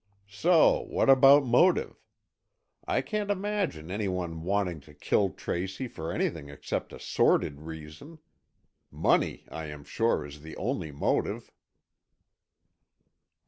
So what about motive? I can't imagine any one wanting to kill Tracy for anything except a sordid reason. Money, I am sure, is the only motive."